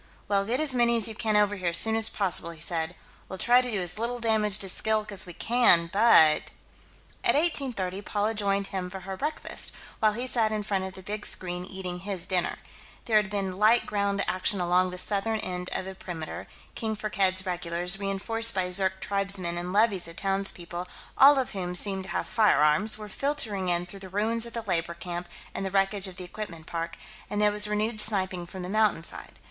"Well, get as many as you can over here, as soon as possible," he said. "We'll try to do as little damage to Skilk as we can, but ..." At 1830, Paula joined him for her breakfast, while he sat in front of the big screen, eating his dinner. There had been light ground action along the southern end of the perimeter King Firkked's regulars, reenforced by Zirk tribesmen and levies of townspeople, all of whom seemed to have firearms, were filtering in through the ruins of the labor camp and the wreckage of the equipment park and there was renewed sniping from the mountainside.